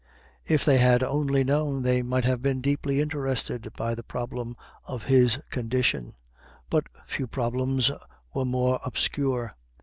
If they had only known, they might have been deeply interested by the problem of his condition; but few problems were more obscure.